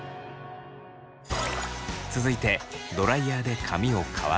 続いてドライヤーで髪を乾かします。